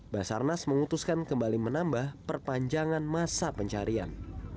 basarnas mengutuskan kembali menambah perpanjangan masa pencarian